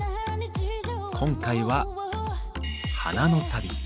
今回は「花の旅」。